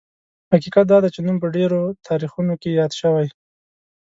حقیقت دا دی چې نوم په ډېرو تاریخونو کې یاد شوی.